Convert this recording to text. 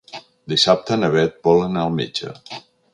Dissabte na Bet vol anar al metge.